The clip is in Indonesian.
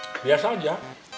ya biasa aja